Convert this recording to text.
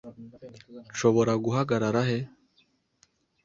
Nshobora guhagarara he?